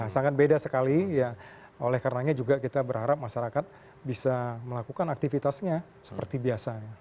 sangat beda sekali ya oleh karenanya juga kita berharap masyarakat bisa melakukan aktivitasnya seperti biasa